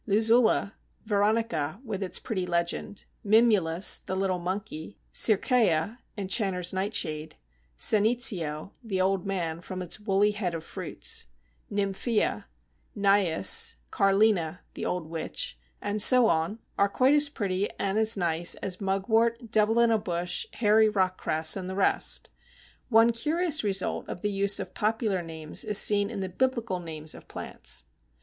Luzula, Veronica (with its pretty legend), Mimulus (the little monkey), Circæa (Enchanter's Nightshade), Senecio (the old man, from its woolly head of fruits), Nymphea, Naias, Carlina (the old witch), and so on, are quite as pretty and as nice as Mugwort, Devil in a bush, Hairy Rock Cress, and the rest. One curious result of the use of popular names is seen in the Biblical names of plants.